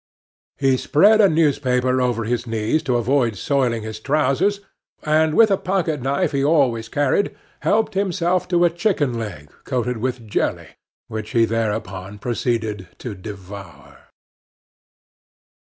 He spread a newspaper over his knees to avoid soiling his trousers, and, with a pocketknife he always carried, helped himself to a chicken leg coated with jelly, which he thereupon proceeded to devour.